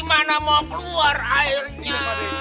maknya mau keluar airnya